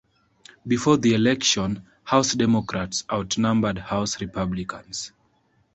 Before the election, House Democrats outnumbered House Republicans.